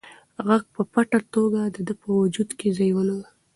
غږ په پټه توګه د ده په وجود کې ځای ونیوه.